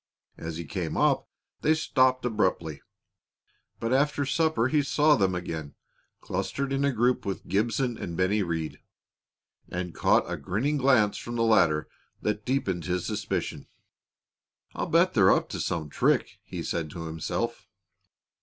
As he came up they stopped abruptly, but after supper he saw them again, clustered in a group with Gibson and Bennie Rhead, and caught a grinning glance from the latter that deepened his suspicion. "I'll bet they're up to some trick," he said to himself.